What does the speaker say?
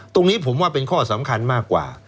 ตรงนี้ผมว่าเป็นข้อสำคัญมากกว่า